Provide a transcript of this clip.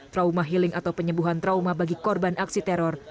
trauma healing atau penyembuhan trauma bagi korban aksi teror